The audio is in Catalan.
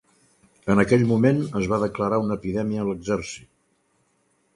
En aquell moment es va declarar una epidèmia a l'exèrcit.